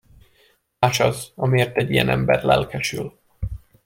Más az, amiért egy ilyen ember lelkesül.